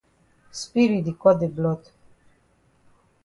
Spirit di cut de blood.